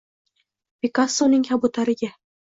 Pikassoning kabutariga